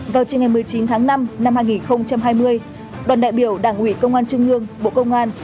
vào chiều ngày một mươi chín tháng năm năm hai nghìn hai mươi đoàn đại biểu đảng ủy công an trung ương bộ công an